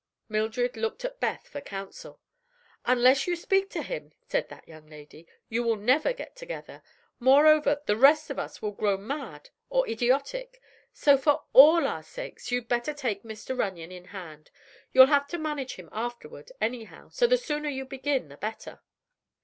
Mildred looked at Beth for counsel. "Unless you speak to him," said that young lady, "you will never get together. Moreover, the rest of us will grow mad or idiotic. So, for all our sakes, you'd better take Mr. Runyon in hand. You'll have to manage him afterward, anyhow, so the sooner you begin the better."